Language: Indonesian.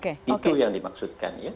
itu yang dimaksudkan